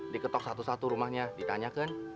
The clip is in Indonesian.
diketok satu satu rumahnya ditanyakan